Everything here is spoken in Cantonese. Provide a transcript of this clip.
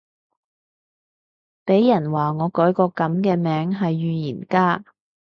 俾人話我改個噉嘅名係預言家